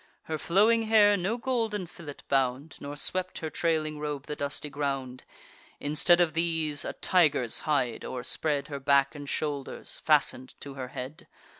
Her flowing hair no golden fillet bound; Nor swept her trailing robe the dusty ground. Instead of these, a tiger's hide o'erspread Her back and shoulders, fasten'd to her head.